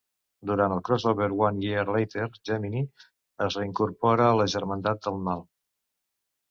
Durant el crossover One Year Later, Gemini es reincorpora a la Germandat del Mal.